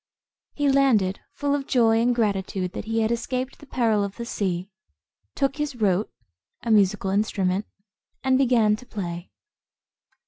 He landed, full of joy and gratitude that he had escaped the peril of the sea; took his rote,[Footnote: A musical instrument.] and began to play.